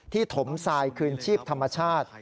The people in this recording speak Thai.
ถมทรายคืนชีพธรรมชาติ